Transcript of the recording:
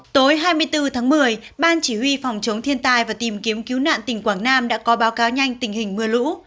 tối hai mươi bốn tháng một mươi ban chỉ huy phòng chống thiên tai và tìm kiếm cứu nạn tỉnh quảng nam đã có báo cáo nhanh tình hình mưa lũ